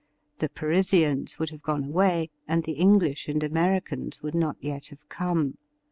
The Parisians would have gone away, and the English and Americans would not yet have come.